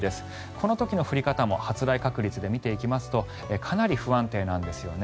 この時の降り方も発雷確率で見ていきますとかなり不安定なんですよね。